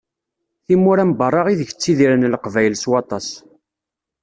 Timura n berra ideg ttidiren Leqbayel s waṭas.